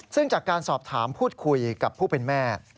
ซึ่งจากการสอบถามพูดคุยกับผู้เป็นแม่